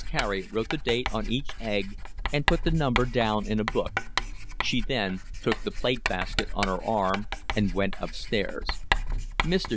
Carey wrote the date on each egg and put the number down in a book. She then took the plate basket on her arm and went upstairs. Mr.